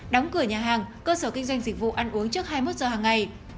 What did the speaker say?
đóng cửa nhà hàng cơ sở kinh doanh dịch vụ ăn uống trước hai mươi một giờ hàng ngày